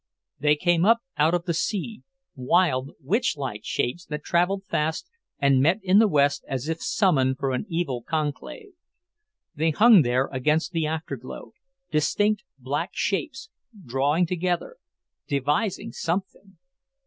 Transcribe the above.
They came up out of the sea, wild, witchlike shapes that travelled fast and met in the west as if summoned for an evil conclave. They hung there against the afterglow, distinct black shapes, drawing together, devising something.